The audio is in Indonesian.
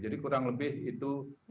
jadi kurang lebih itu